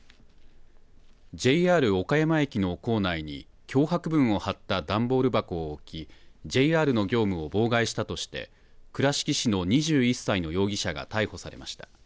ＪＲ岡山駅の構内に脅迫文を貼った段ボールを置きＪＲの業務を妨害したとして倉敷市の２１歳の容疑者が逮捕されました。